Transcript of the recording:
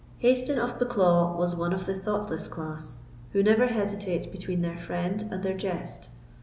Hayston of Bucklaw was one of the thoughtless class who never hesitate between their friend and their jest.